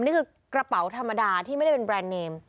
นี่คือกระเป๋าธรรมดาที่ไม่ได้เป็นแบรนด์เนม